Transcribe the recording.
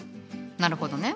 なるほどね。